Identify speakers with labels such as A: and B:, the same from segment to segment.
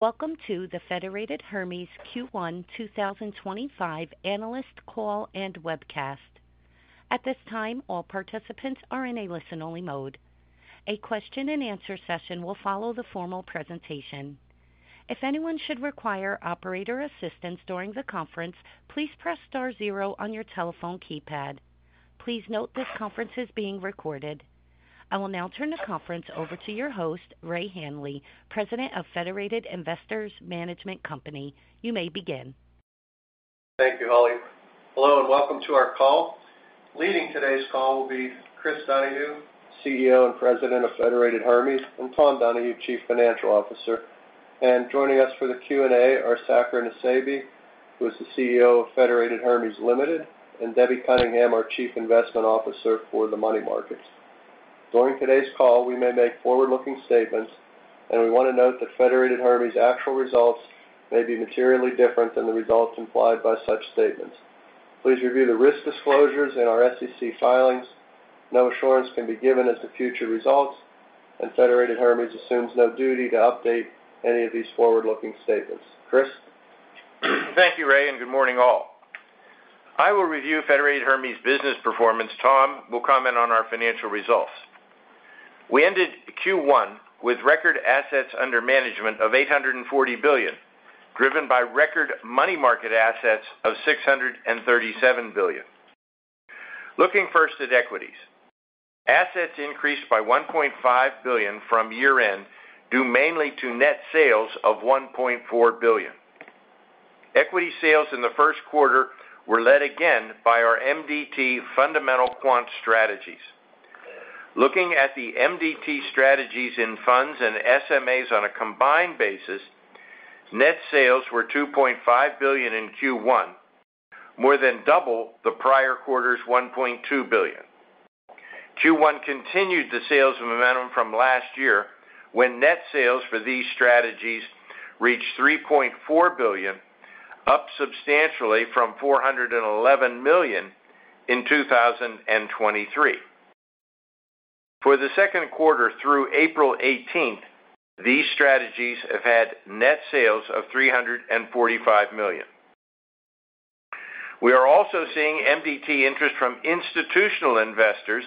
A: Welcome to the Federated Hermes Q1 2025 analyst call and webcast. At this time, all participants are in a listen-only mode. A question-and-answer session will follow the formal presentation. If anyone should require operator assistance during the conference, please press star zero on your telephone keypad. Please note this conference is being recorded. I will now turn the conference over to your host, Ray Hanley, President of Federated Investors Management Company. You may begin.
B: Thank you, Holly. Hello and welcome to our call. Leading today's call will be Chris Donahue, CEO and President of Federated Hermes, and Tom Donahue, Chief Financial Officer. Joining us for the Q&A are Saker Nusseibeh, who is the CEO of Federated Hermes Limited, and Debbie Cunningham, our Chief Investment Officer for the Money Markets. During today's call, we may make forward-looking statements, and we want to note that Federated Hermes' actual results may be materially different than the results implied by such statements. Please review the risk disclosures in our SEC filings. No assurance can be given as to future results, and Federated Hermes assumes no duty to update any of these forward-looking statements. Chris?
C: Thank you, Ray, and good morning, all. I will review Federated Hermes' business performance. Tom will comment on our financial results. We ended Q1 with record assets under management of $840 billion, driven by record money market assets of $637 billion. Looking first at equities, assets increased by $1.5 billion from year-end due mainly to net sales of $1.4 billion. Equity sales in the first quarter were led again by our MDT fundamental quant strategies. Looking at the MDT strategies in funds and SMAs on a combined basis, net sales were $2.5 billion in Q1, more than double the prior quarter's $1.2 billion. Q1 continued the sales momentum from last year when net sales for these strategies reached $3.4 billion, up substantially from $411 million in 2023. For the second quarter through April 18th, these strategies have had net sales of $345 million. We are also seeing MDT interest from institutional investors,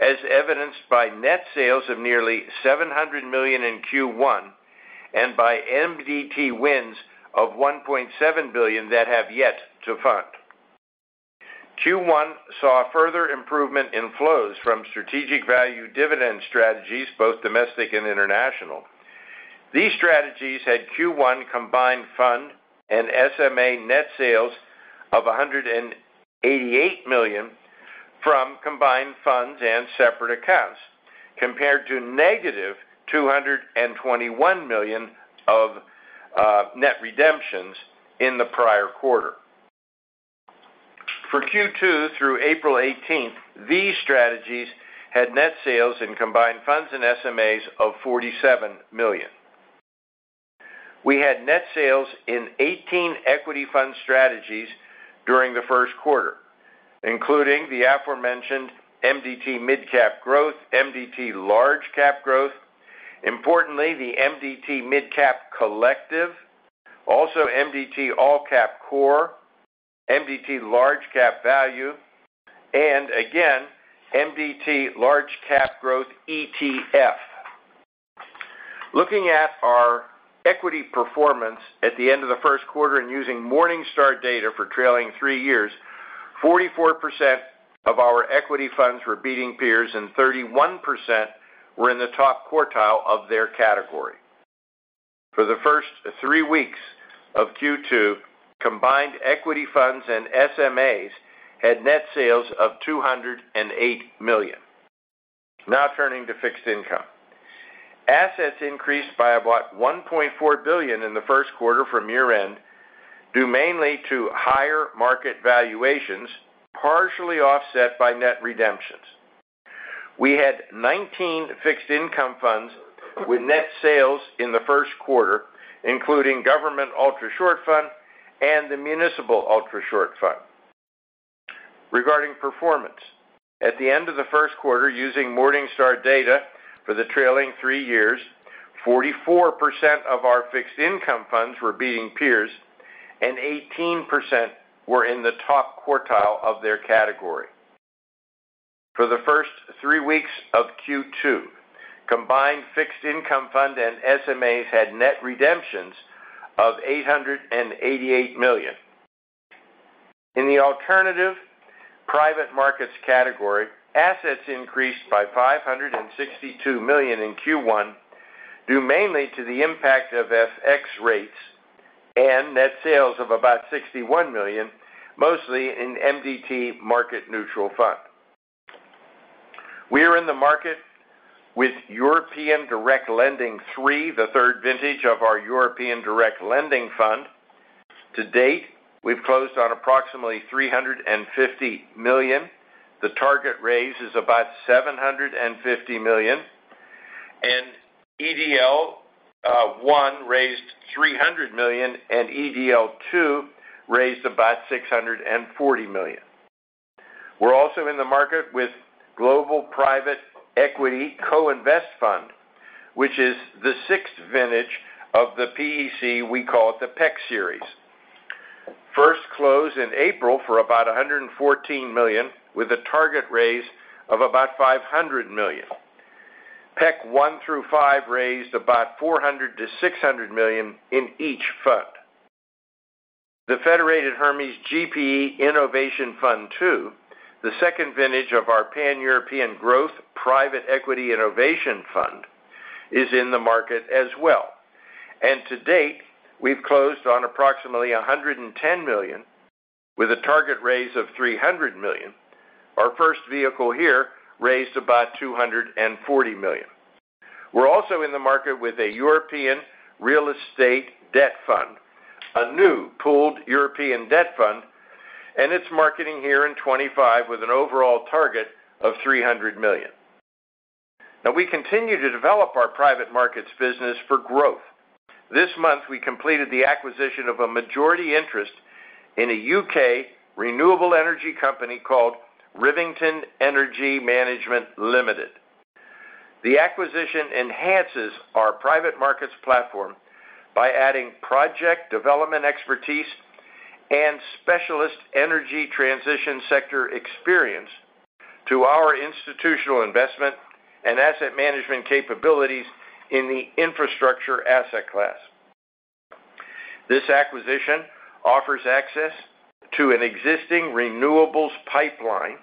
C: as evidenced by net sales of nearly $700 million in Q1 and by MDT wins of $1.7 billion that have yet to fund. Q1 saw further improvement in flows from Strategic Value Dividend strategies, both domestic and international. These strategies had Q1 combined fund and SMA net sales of $188 million from combined funds and separate accounts, compared to negative $221 million of net redemptions in the prior quarter. For Q2 through April 18th, these strategies had net sales in combined funds and SMAs of $47 million. We had net sales in 18 equity fund strategies during the first quarter, including the aforementioned MDT Mid-Cap Growth, MDT large-cap growth, importantly, the MDT Mid-Cap Collective, also MDT all-cap core, MDT Large-Cap Value, and again, MDT large-cap growth ETF. Looking at our equity performance at the end of the first quarter and using Morningstar data for trailing three years, 44% of our equity funds were beating peers and 31% were in the top quartile of their category. For the first three weeks of Q2, combined equity funds and SMAs had net sales of $208 million. Now turning to fixed income. Assets increased by about $1.4 billion in the first quarter from year-end due mainly to higher market valuations, partially offset by net redemptions. We had 19 fixed income funds with net sales in the first quarter, including Government Ultrashort Fund and the Municipal Ultra-Short Fund. Regarding performance, at the end of the first quarter, using Morningstar data for the trailing three years, 44% of our fixed income funds were beating peers and 18% were in the top quartile of their category. For the first three weeks of Q2, combined fixed income fund and SMAs had net redemptions of $888 million. In the alternative private markets category, assets increased by $562 million in Q1 due mainly to the impact of FX rates and net sales of about $61 million, mostly in MDT Market Neutral Fund. We are in the market with European Direct Lending III, the third vintage of our European Direct Lending Fund. To date, we've closed on approximately $350 million. The target raise is about $750 million, and EDL I raised $300 million and EDL II raised about $640 million. We're also in the market with Global Private Equity Co-Invest Fund, which is the sixth vintage of the PEC, we call it the PEC series. First closed in April for about $114 million with a target raise of about $500 million. PEC one through five raised about $400 million-$600 million in each fund. The Federated Hermes GPE Innovation Fund II, the second vintage of our pan-European growth private equity innovation fund, is in the market as well. To date, we've closed on approximately $110 million with a target raise of $300 million. Our first vehicle here raised about $240 million. We're also in the market with a European real estate debt fund, a new pooled European debt fund, and it's marketing here in 2025 with an overall target of $300 million. We continue to develop our private markets business for growth. This month, we completed the acquisition of a majority interest in a U.K. renewable energy company called Rivington Energy Management Limited. The acquisition enhances our private markets platform by adding project development expertise and specialist energy transition sector experience to our institutional investment and asset management capabilities in the infrastructure asset class. This acquisition offers access to an existing renewables pipeline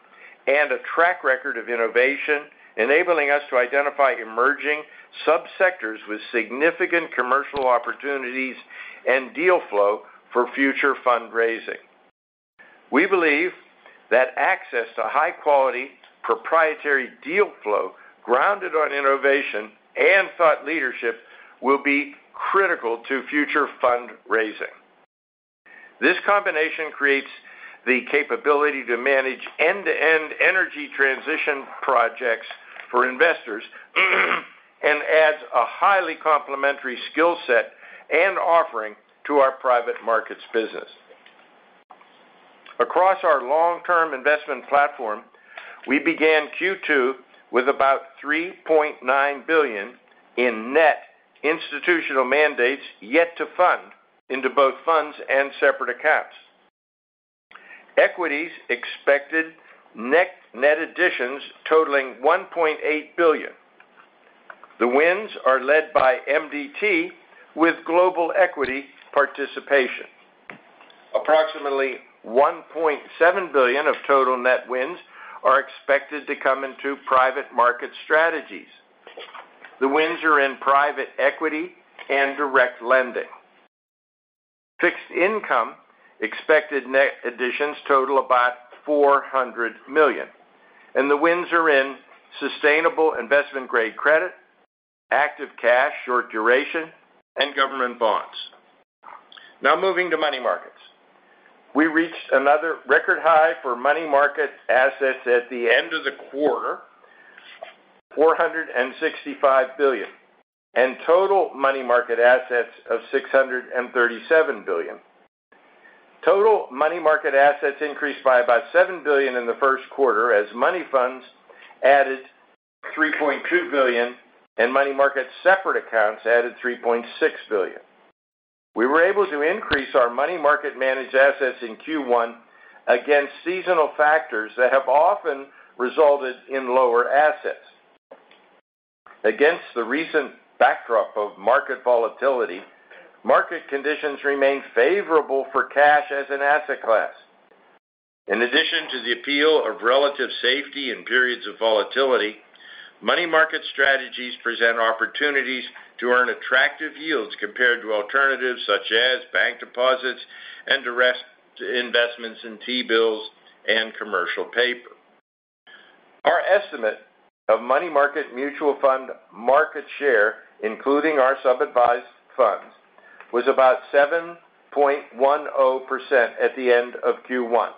C: and a track record of innovation, enabling us to identify emerging subsectors with significant commercial opportunities and deal flow for future fundraising. We believe that access to high-quality proprietary deal flow grounded on innovation and thought leadership will be critical to future fundraising. This combination creates the capability to manage end-to-end energy transition projects for investors and adds a highly complementary skill set and offering to our private markets business. Across our long-term investment platform, we began Q2 with about $3.9 billion in net institutional mandates yet to fund into both funds and separate accounts. Equities expected net additions totaling $1.8 billion. The wins are led by MDT with global equity participation. Approximately $1.7 billion of total net wins are expected to come into private market strategies. The wins are in private equity and direct lending. Fixed income expected net additions total about $400 million, and the wins are in sustainable investment-grade credit, active cash, short duration, and government bonds. Now, moving to money markets. We reached another record high for money market assets at the end of the quarter, $465 billion, and total money market assets of $637 billion. Total money market assets increased by about $7 billion in the first quarter as money funds added $3.2 billion and money market separate accounts added $3.6 billion. We were able to increase our money market managed assets in Q1 against seasonal factors that have often resulted in lower assets. Against the recent backdrop of market volatility, market conditions remain favorable for cash as an asset class. In addition to the appeal of relative safety in periods of volatility, money market strategies present opportunities to earn attractive yields compared to alternatives such as bank deposits and direct investments in T-bills and commercial paper. Our estimate of money market mutual fund market share, including our sub-advised funds, was about 7.10% at the end of Q1,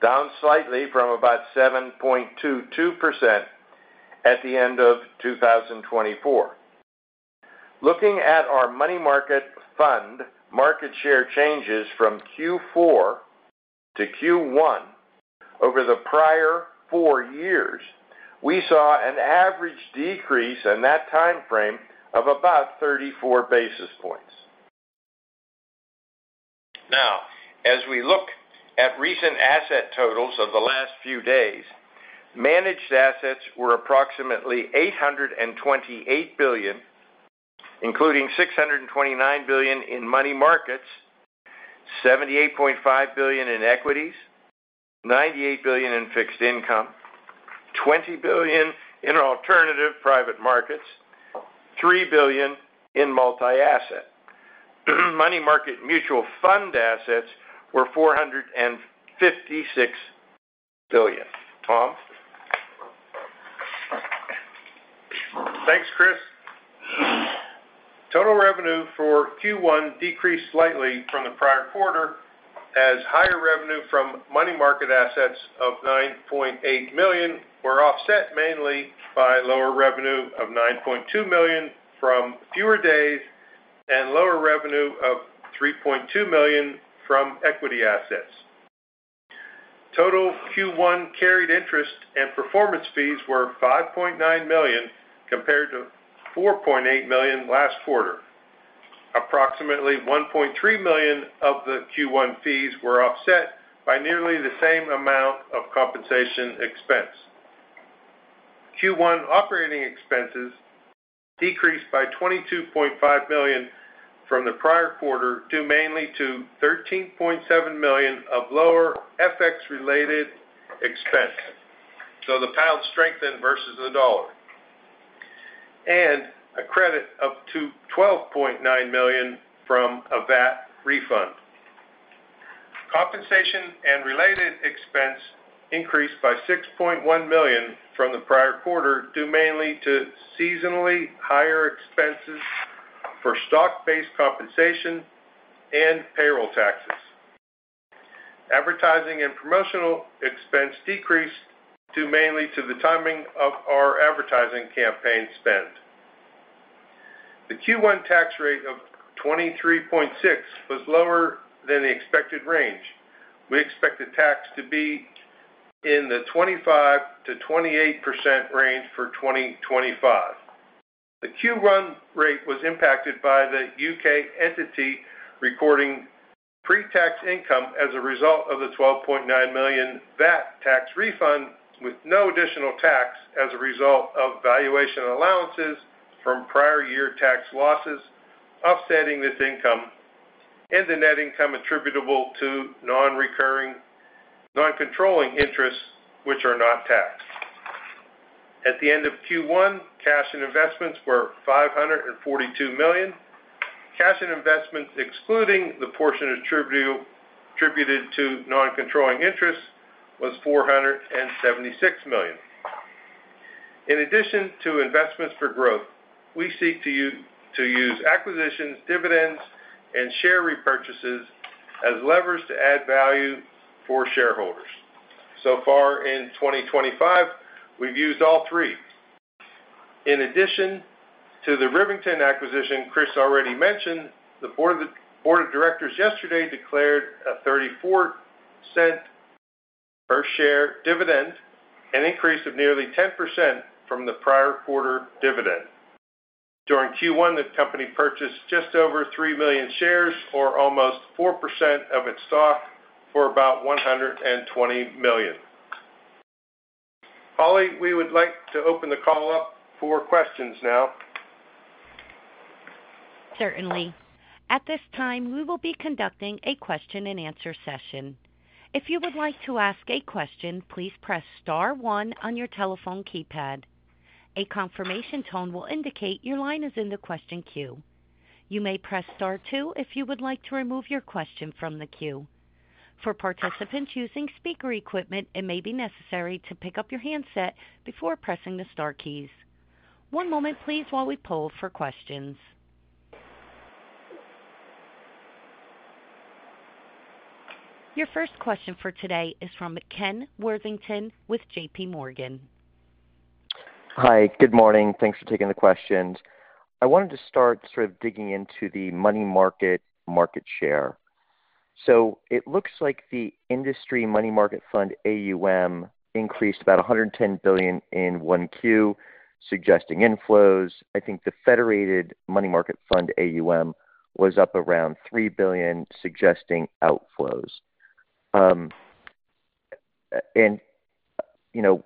C: down slightly from about 7.22% at the end of 2024. Looking at our money market fund market share changes from Q4 to Q1 over the prior four years, we saw an average decrease in that timeframe of about 34 basis points. Now, as we look at recent asset totals of the last few days, managed assets were approximately $828 billion, including $629 billion in money markets, $78.5 billion in equities, $98 billion in fixed income, $20 billion in alternative private markets, and $3 billion in multi-asset. Money market mutual fund assets were $456 billion. Tom? Thanks, Chris. Total revenue for Q1 decreased slightly from the prior quarter as higher revenue from money market assets of $9.8 million were offset mainly by lower revenue of $9.2 million from fewer days and lower revenue of $3.2 million from equity assets. Total Q1 carried interest and performance fees were $5.9 million compared to $4.8 million last quarter. Approximately $1.3 million of the Q1 fees were offset by nearly the same amount of compensation expense. Q1 operating expenses decreased by $22.5 million from the prior quarter due mainly to $13.7 million of lower FX-related expense, as the pound strengthened versus the dollar, and a credit of $12.9 million from a VAT refund. Compensation and related expense increased by $6.1 million from the prior quarter due mainly to seasonally higher expenses for stock-based compensation and payroll taxes. Advertising and promotional expense decreased due mainly to the timing of our advertising campaign spend. The Q1 tax rate of 23.6% was lower than the expected range. We expect the tax to be in the 25%-28% range for 2025. The Q1 rate was impacted by the U.K. entity recording pre-tax income as a result of the $12.9 million VAT tax refund with no additional tax as a result of valuation allowances from prior year tax losses offsetting this income and the net income attributable to non-controlling interests, which are not taxed. At the end of Q1, cash and investments were $542 million. Cash and investments, excluding the portion attributed to non-controlling interest, was $476 million. In addition to investments for growth, we seek to use acquisitions, dividends, and share repurchases as levers to add value for shareholders. In 2025, we have used all three. In addition to the Rivington acquisition Chris already mentioned, the board of directors yesterday declared a $0.34 per share dividend, an increase of nearly 10% from the prior quarter dividend. During Q1, the company purchased just over 3 million shares, or almost 4% of its stock, for about $120 million. Holly, we would like to open the call up for questions now. Certainly.
A: At this time, we will be conducting a question-and-answer session. If you would like to ask a question, please press star one on your telephone keypad. A confirmation tone will indicate your line is in the question queue. You may press star two if you would like to remove your question from the queue. For participants using speaker equipment, it may be necessary to pick up your handset before pressing the star keys. One moment, please, while we poll for questions. Your first question for today is from Ken Worthington with JPMorgan.
D: Hi. Good morning. Thanks for taking the questions. I wanted to start sort of digging into the money market. Market share. It looks like the industry money market fund AUM increased about $110 billion in one Q, suggesting inflows. I think the Federated money market fund AUM was up around $3 billion, suggesting outflows.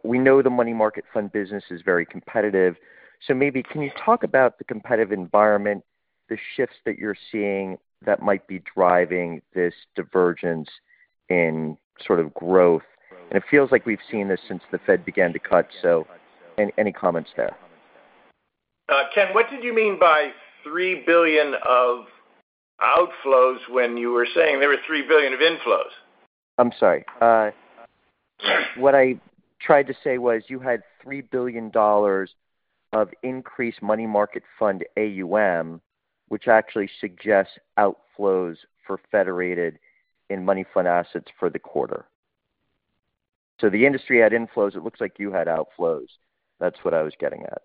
D: We know the money market fund business is very competitive. Maybe can you talk about the competitive environment, the shifts that you're seeing that might be driving this divergence in sort of growth? It feels like we've seen this since the Fed began to cut, so any comments there?
C: Ken, what did you mean by $3 billion of outflows when you were saying there were $3 billion of inflows?
D: I'm sorry. What I tried to say was you had $3 billion of increased money market fund AUM, which actually suggests outflows for Federated and money fund assets for the quarter. The industry had inflows. It looks like you had outflows. That's what I was getting at.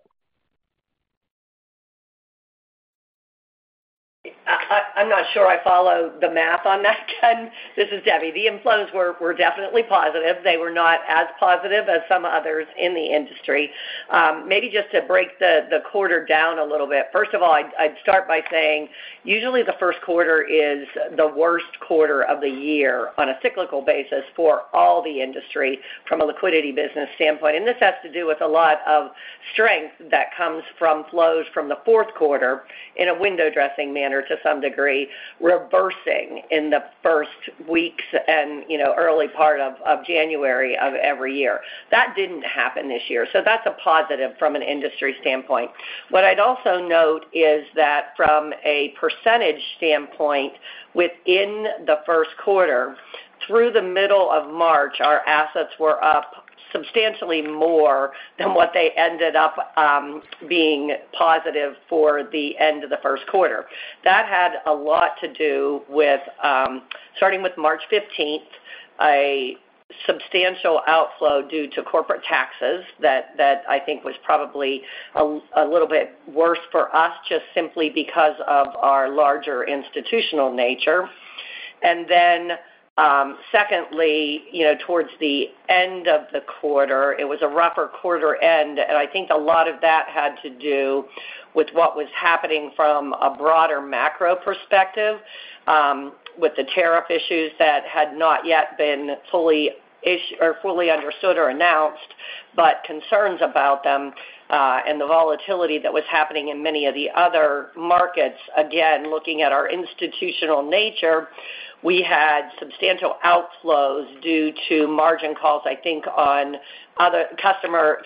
E: I'm not sure I follow the math on that, Ken. This is Debbie. The inflows were definitely positive. They were not as positive as some others in the industry. Maybe just to break the quarter down a little bit, first of all, I'd start by saying usually the first quarter is the worst quarter of the year on a cyclical basis for all the industry from a liquidity business standpoint. This has to do with a lot of strength that comes from flows from the fourth quarter in a window dressing manner to some degree, reversing in the first weeks and early part of January of every year. That did not happen this year. That's a positive from an industry standpoint. What I'd also note is that from a percentage standpoint, within the first quarter, through the middle of March, our assets were up substantially more than what they ended up being positive for the end of the first quarter. That had a lot to do with starting with March 15th, a substantial outflow due to corporate taxes that I think was probably a little bit worse for us just simply because of our larger institutional nature. Secondly, towards the end of the quarter, it was a rougher quarter end. I think a lot of that had to do with what was happening from a broader macro perspective with the tariff issues that had not yet been fully understood or announced, but concerns about them and the volatility that was happening in many of the other markets. Again, looking at our institutional nature, we had substantial outflows due to margin calls, I think, on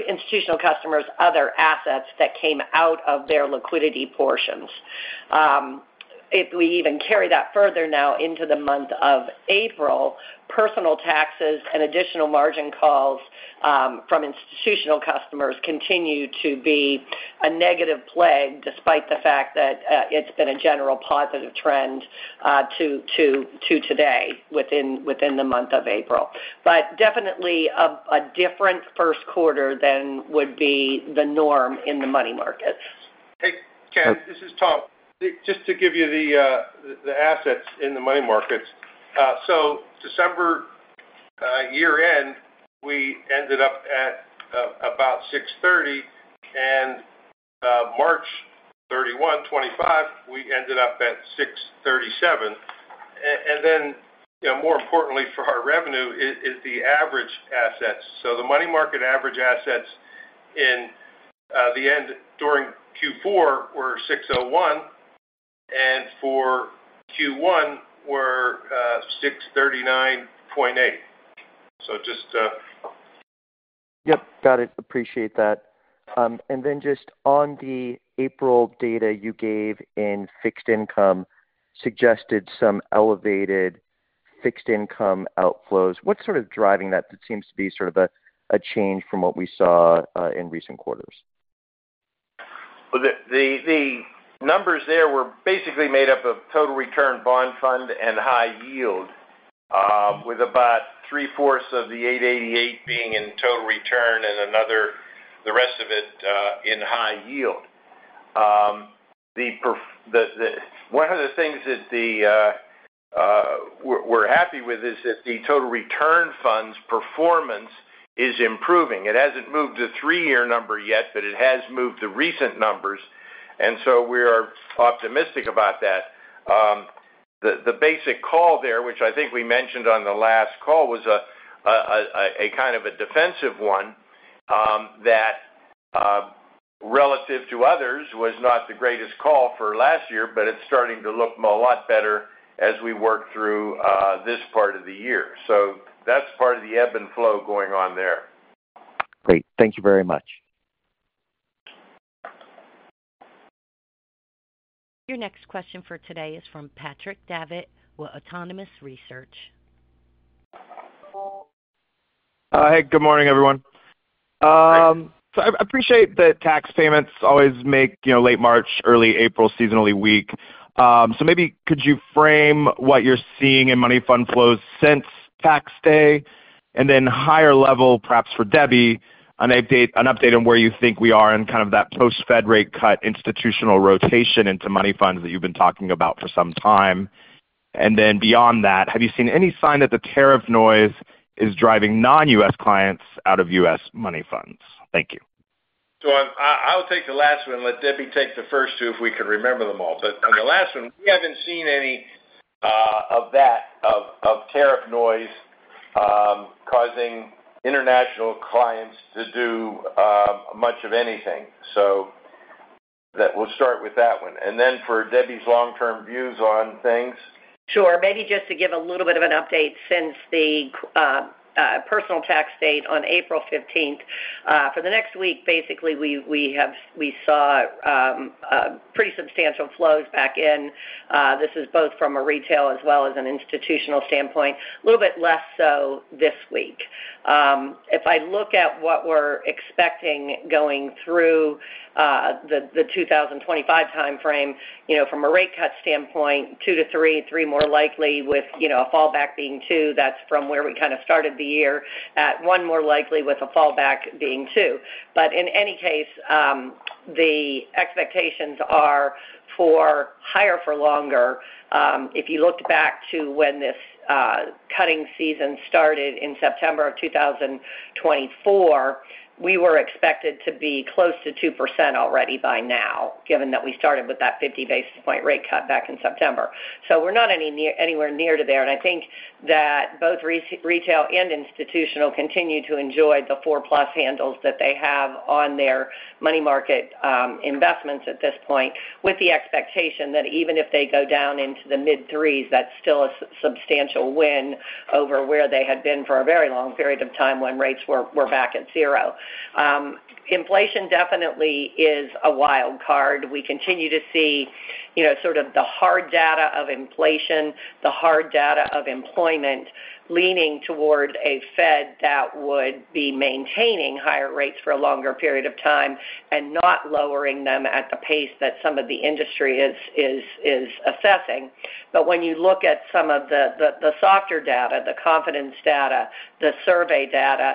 E: institutional customers' other assets that came out of their liquidity portions. If we even carry that further now into the month of April, personal taxes and additional margin calls from institutional customers continue to be a negative plague despite the fact that it's been a general positive trend to today within the month of April. Definitely a different first quarter than would be the norm in the money markets.
F: Hey, Ken, this is Tom. Just to give you the assets in the money markets, so December year-end, we ended up at about $630 billion, and March 31, 2025, we ended up at $637 billion. More importantly for our revenue is the average assets. The money market average assets in the end during Q4 were $601 billion, and for Q1 were $639.8 billion.
D: Just to. Yep. Got it. Appreciate that. And then just on the April data you gave in fixed income suggested some elevated fixed income outflows. What's sort of driving that? That seems to be sort of a change from what we saw in recent quarters.
F: The numbers there were basically made up of Total Return Bond Fund and high yield, with about three-fourths of the $888 million being in total return and the rest of it in high yield. One of the things that we're happy with is that the total return fund's performance is improving. It hasn't moved the three-year number yet, but it has moved the recent numbers. We are optimistic about that. The basic call there, which I think we mentioned on the last call, was a kind of a defensive one that relative to others was not the greatest call for last year, but it is starting to look a lot better as we work through this part of the year. That is part of the ebb and flow going on there.
D: Great. Thank you very much.
A: Your next question for today is from Patrick Davitt with Autonomous Research.
G: Hey, good morning, everyone. I appreciate that tax payments always make late March, early April seasonally weak. Maybe could you frame what you are seeing in money fund flows since tax day and then higher level, perhaps for Debbie, an update on where you think we are in kind of that post-Fed rate cut institutional rotation into money funds that you have been talking about for some time? Have you seen any sign that the tariff noise is driving non-U.S. clients out of U.S. money funds? Thank you.
C: I'll take the last one and let Debbie take the first two if we could remember them all. On the last one, we have not seen any of that tariff noise causing international clients to do much of anything. We will start with that one. For Debbie's long-term views on things.
E: Sure. Maybe just to give a little bit of an update since the personal tax date on April 15th, for the next week, basically, we saw pretty substantial flows back in. This is both from a retail as well as an institutional standpoint, a little bit less so this week. If I look at what we're expecting going through the 2025 timeframe from a rate cut standpoint, two to three, three more likely with a fallback being two. That's from where we kind of started the year at one more likely with a fallback being two. In any case, the expectations are higher for longer. If you looked back to when this cutting season started in September of 2024, we were expected to be close to 2% already by now, given that we started with that 50 basis point rate cut back in September. We are not anywhere near to there. I think that both retail and institutional continue to enjoy the four-plus handles that they have on their money market investments at this point, with the expectation that even if they go down into the mid-threes, that's still a substantial win over where they had been for a very long period of time when rates were back at zero. Inflation definitely is a wild card. We continue to see sort of the hard data of inflation, the hard data of employment leaning toward a Fed that would be maintaining higher rates for a longer period of time and not lowering them at the pace that some of the industry is assessing. When you look at some of the softer data, the confidence data, the survey data,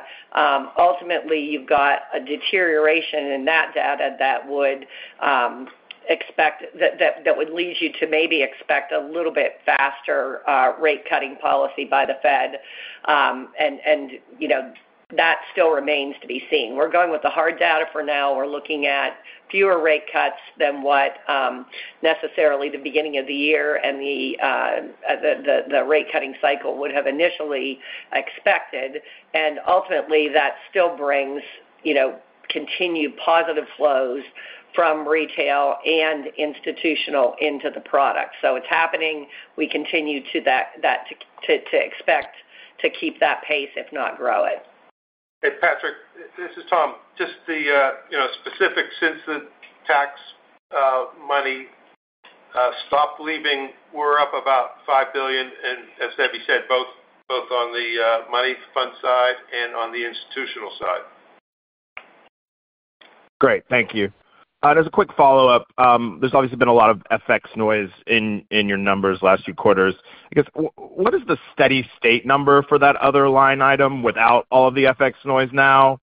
E: ultimately, you've got a deterioration in that data that would lead you to maybe expect a little bit faster rate-cutting policy by the Fed. That still remains to be seen. We're going with the hard data for now. We're looking at fewer rate cuts than what necessarily the beginning of the year and the rate-cutting cycle would have initially expected. Ultimately, that still brings continued positive flows from retail and institutional into the product. It's happening. We continue to expect to keep that pace, if not grow it.
F: Hey, Patrick, this is Tom. Just the specific since the tax money stopped leaving, we're up about $5 billion, as Debbie said, both on the money fund side and on the institutional side.
G: Great. Thank you. As a quick follow-up, there's obviously been a lot of FX noise in your numbers last few quarters. I guess, what is the steady state number for that other line item without all of the FX noise now?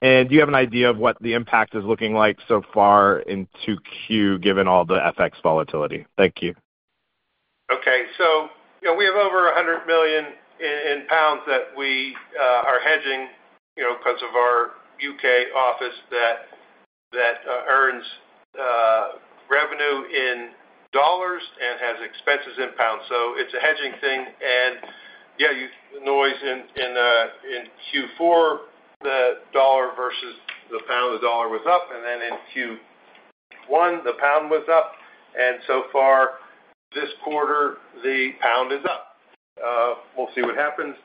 G: Do you have an idea of what the impact is looking like so far into Q given all the FX volatility? Thank you.
F: Okay. We have over 100 million pounds that we are hedging because of our U.K. office that earns revenue in dollars and has expenses in pounds. It is a hedging thing. Yeah, noise in Q4, the dollar versus the pound, the dollar was up. In Q1, the pound was up. So far this quarter, the pound is up. We'll see what happens.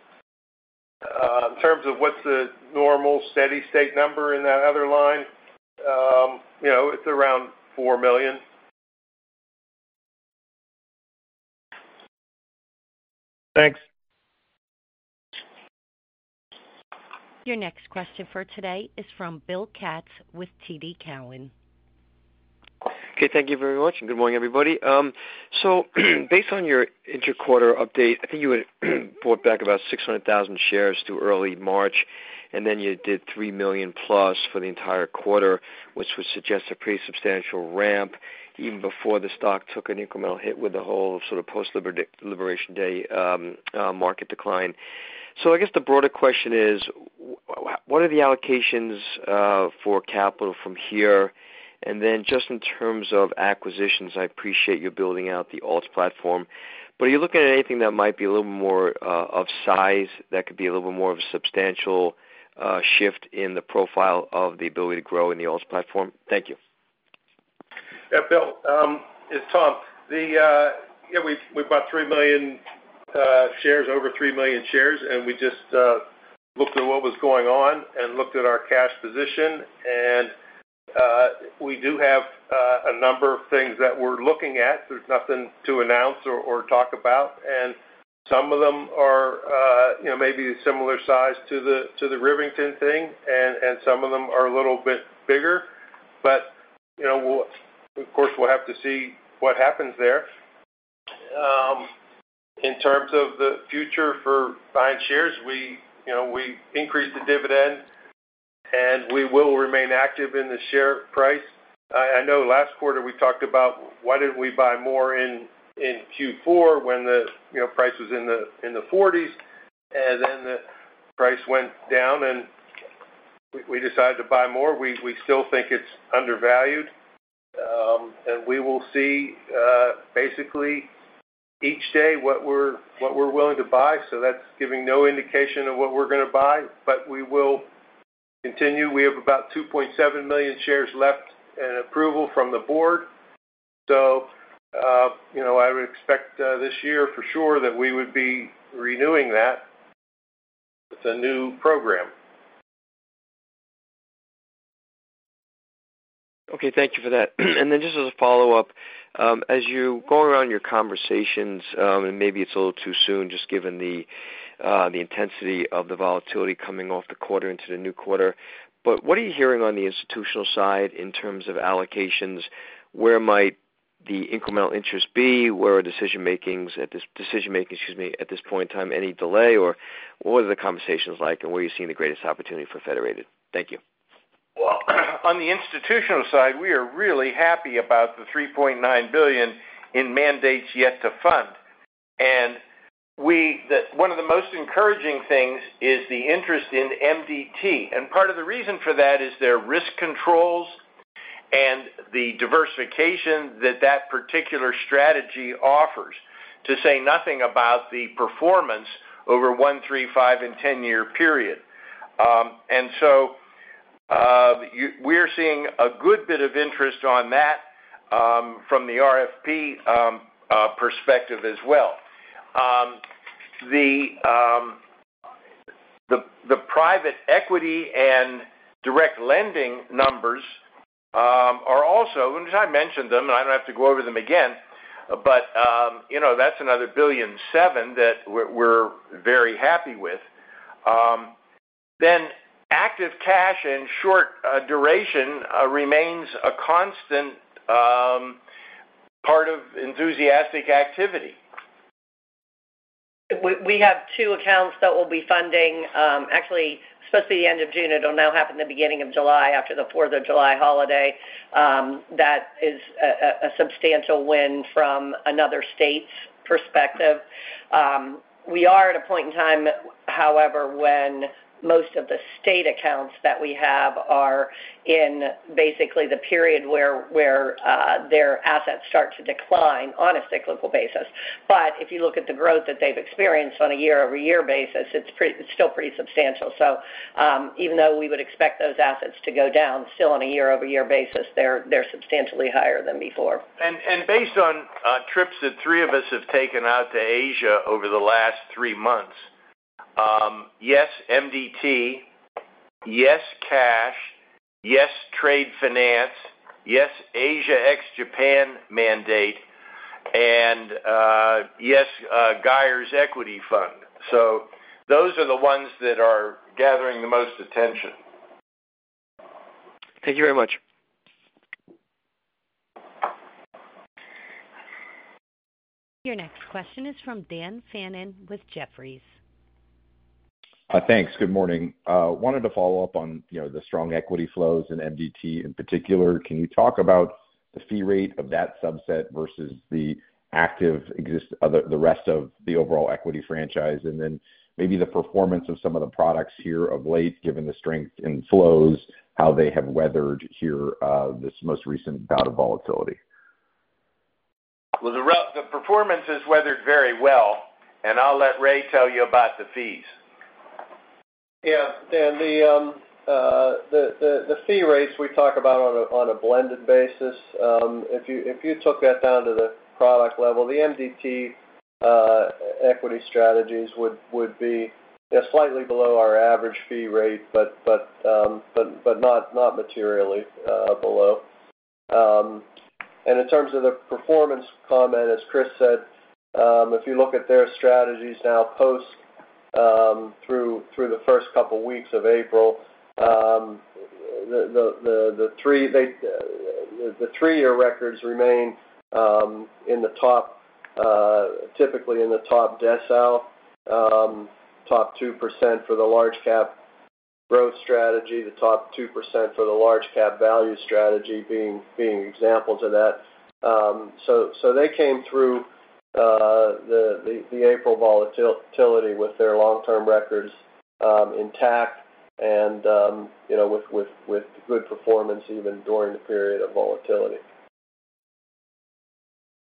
F: In terms of what's the normal steady state number in that other line, it's around $4 million.
G: Thanks.
A: Your next question for today is from Will Katz with TD Cowen.
H: Okay. Thank you very much. And good morning, everybody. Based on your interquarter update, I think you had bought back about 600,000 shares through early March, and then you did 3 million plus for the entire quarter, which would suggest a pretty substantial ramp even before the stock took an incremental hit with the whole sort of post-Labor Day market decline. I guess the broader question is, what are the allocations for capital from here? In terms of acquisitions, I appreciate you building out the alts platform. Are you looking at anything that might be a little more of size that could be a little bit more of a substantial shift in the profile of the ability to grow in the alts platform?
F: Thank you. Yeah. Will, it's Tom. Yeah, we bought 3 million shares, over 3 million shares. We just looked at what was going on and looked at our cash position. We do have a number of things that we're looking at. There's nothing to announce or talk about. Some of them are maybe similar size to the Rivington thing, and some of them are a little bit bigger. Of course, we'll have to see what happens there. In terms of the future for buying shares, we increased the dividend, and we will remain active in the share price. I know last quarter we talked about, "Why didn't we buy more in Q4 when the price was in the 40s?" The price went down, and we decided to buy more. We still think it's undervalued. We will see basically each day what we're willing to buy. That's giving no indication of what we're going to buy. We will continue. We have about 2.7 million shares left and approval from the board. I would expect this year for sure that we would be renewing that with a new program.
H: Okay. Thank you for that. Just as a follow-up, as you're going around your conversations, and maybe it's a little too soon just given the intensity of the volatility coming off the quarter into the new quarter, what are you hearing on the institutional side in terms of allocations? Where might the incremental interest be? Where are decision-making at this decision-making, excuse me, at this point in time? Any delay? What were the conversations like, and were you seeing the greatest opportunity for Federated? Thank you.
F: On the institutional side, we are really happy about the $3.9 billion in mandates yet to fund. One of the most encouraging things is the interest in MDT. Part of the reason for that is their risk controls and the diversification that that particular strategy offers to say nothing about the performance over 1, 3, 5, and 10-year period. We are seeing a good bit of interest on that from the RFP perspective as well. The private equity and direct lending numbers are also—I mentioned them, and I do not have to go over them again—but that is another $1.7 billion that we are very happy with. Active cash and short duration remains a constant part of enthusiastic activity.
E: We have two accounts that will be funding. Actually, especially the end of June, it will now happen the beginning of July after the July 4th holiday. That is a substantial win from another state's perspective. We are at a point in time, however, when most of the state accounts that we have are in basically the period where their assets start to decline on a cyclical basis. If you look at the growth that they've experienced on a year-over-year basis, it's still pretty substantial. Even though we would expect those assets to go down still on a year-over-year basis, they're substantially higher than before.
C: Based on trips that three of us have taken out to Asia over the last three months, yes, MDT, yes, cash, yes, trade finance, yes, Asia ex-Japan mandate, and yes, Geir's equity fund. Those are the ones that are gathering the most attention.
H: Thank you very much.
A: Your next question is from Dan Fannon with Jefferies. Thanks. Good morning.
I: Wanted to follow up on the strong equity flows and MDT in particular. Can you talk about the fee rate of that subset versus the rest of the overall equity franchise? And then maybe the performance of some of the products here of late, given the strength in flows, how they have weathered here this most recent bout of volatility.
C: The performance has weathered very well. I'll let Ray tell you about the fees. Yeah. The fee rates we talk about on a blended basis, if you took that down to the product level, the MDT equity strategies would be slightly below our average fee rate, but not materially below. In terms of the performance comment, as Chris said, if you look at their strategies now post through the first couple of weeks of April, the three-year records remain typically in the top decile, top 2% for the large-cap growth strategy, the top 2% for the large-cap value strategy being examples of that. They came through the April volatility with their long-term records intact and with good performance even during the period of volatility.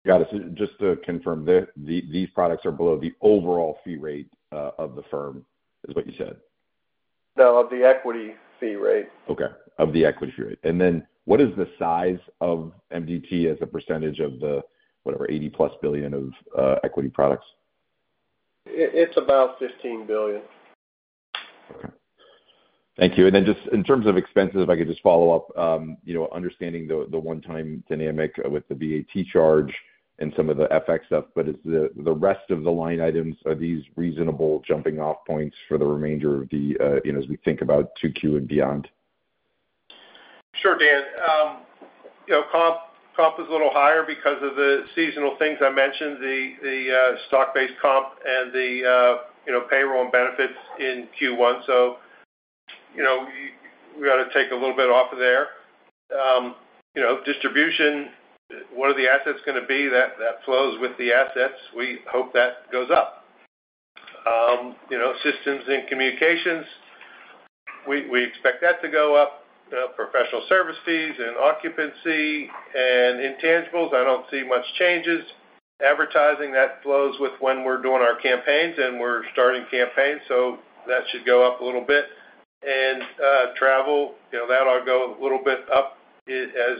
I: Got it. Just to confirm, these products are below the overall fee rate of the firm is what you said.
B: No, of the equity fee rate.
I: Okay. Of the equity fee rate. What is the size of MDT as a percentage of the, whatever, 80-plus billion of equity products?
B: It is about $15 billion.
I: Okay. Thank you. Just in terms of expenses, if I could just follow up, understanding the one-time dynamic with the VAT charge and some of the FX stuff, but is the rest of the line items, are these reasonable jumping-off points for the remainder of the as we think about to Q and beyond?
B: Sure, Dan. Comp is a little higher because of the seasonal things I mentioned, the stock-based comp and the payroll and benefits in Q1. We got to take a little bit off of there. Distribution, what are the assets going to be that flows with the assets? We hope that goes up. Systems and communications, we expect that to go up. Professional service fees and occupancy and intangibles, I do not see much changes. Advertising, that flows with when we are doing our campaigns and we are starting campaigns. That should go up a little bit. Travel, that'll go a little bit up as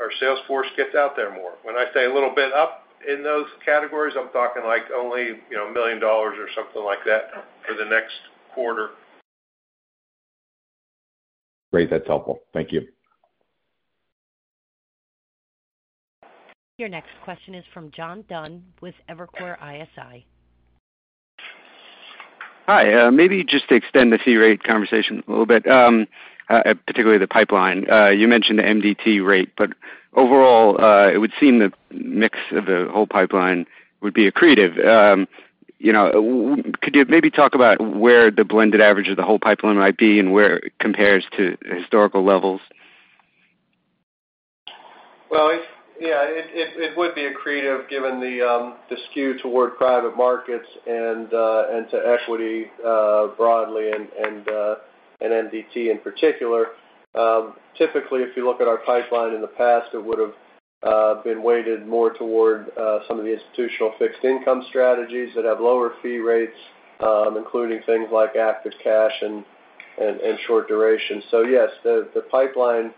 B: our sales force gets out there more. When I say a little bit up in those categories, I'm talking like only $1 million or something like that for the next quarter.
I: Great. That's helpful. Thank you.
A: Your next question is from John Dunn with Evercore ISI.
J: Hi. Maybe just to extend the fee rate conversation a little bit, particularly the pipeline. You mentioned the MDT rate, but overall, it would seem the mix of the whole pipeline would be accretive. Could you maybe talk about where the blended average of the whole pipeline might be and where it compares to historical levels?
C: Yeah, it would be accretive given the skew toward private markets and to equity broadly and MDT in particular. Typically, if you look at our pipeline in the past, it would have been weighted more toward some of the institutional fixed income strategies that have lower fee rates, including things like active cash and short duration. Yes, the pipeline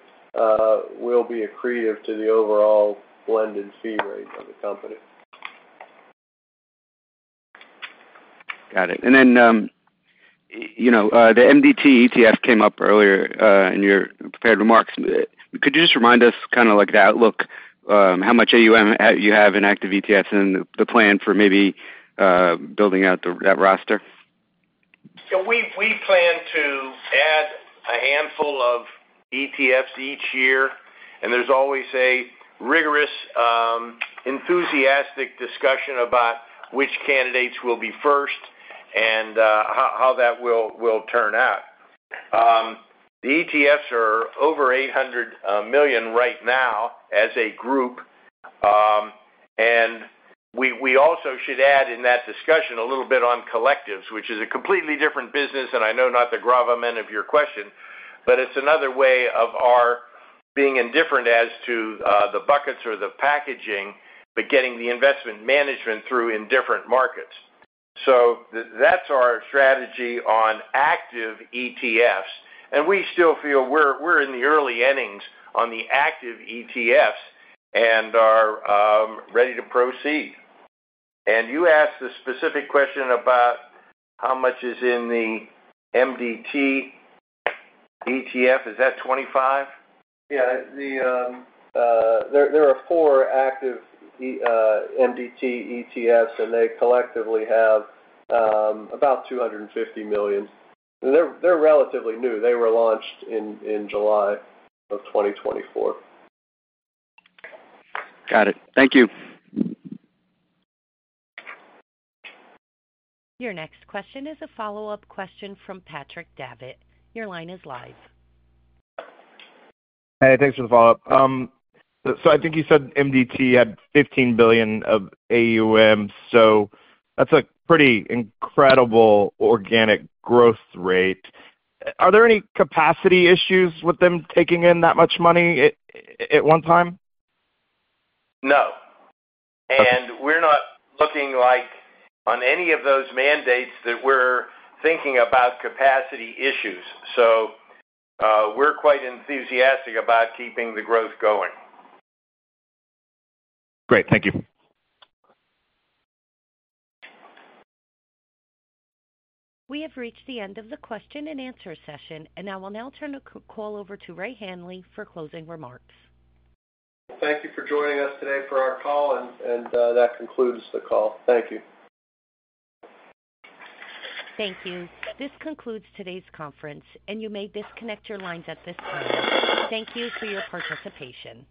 C: will be accretive to the overall blended fee rate of the company.
J: Got it. The MDT ETF came up earlier in your prepared remarks. Could you just remind us kind of like the outlook, how much AUM you have in active ETFs and the plan for maybe building out that roster?
C: We plan to add a handful of ETFs each year. There is always a rigorous, enthusiastic discussion about which candidates will be first and how that will turn out. The ETFs are over $800 million right now as a group. We also should add in that discussion a little bit on collectives, which is a completely different business. I know not the gravamen of your question, but it is another way of our being indifferent as to the buckets or the packaging, but getting the investment management through in different markets. That is our strategy on active ETFs. We still feel we are in the early innings on the active ETFs and are ready to proceed. You asked the specific question about how much is in the MDT ETF. Is that 25?
F: Yeah. There are four active MDT ETFs, and they collectively have about $250 million. They are relatively new. They were launched in July of 2024.
J: Got it. Thank you.
A: Your next question is a follow-up question from Patrick Davitt. Your line is live. Hey, thanks for the follow-up.
G: I think you said MDT had $15 billion of AUM. That is a pretty incredible organic growth rate. Are there any capacity issues with them taking in that much money at one time?
C: No. We are not looking like on any of those mandates that we are thinking about capacity issues. We are quite enthusiastic about keeping the growth going.
G: Great. Thank you.
A: We have reached the end of the question and answer session. I will now turn the call over to Ray Hanley for closing remarks.
B: Thank you for joining us today for our call. That concludes the call. Thank you.
A: Thank you. This concludes today's conference, and you may disconnect your lines at this time. Thank you for your participation.